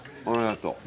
ありがとう。